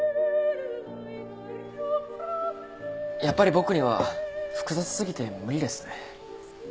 やっぱり僕には複雑過ぎて無理です。